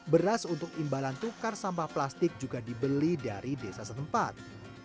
beras untuk imbalan tukar sampah plastik juga dibeli dari desa setempat